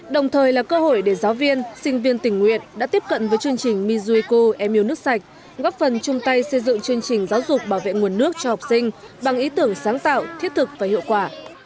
đồng thời là cơ hội để giáo viên sinh viên tình nguyện đã tiếp cận với chương trình misuico em yêu nước sạch góp phần chung tay xây dựng chương trình giáo dục bảo vệ nguồn nước cho học sinh bằng ý tưởng sáng tạo thiết thực và hiệu quả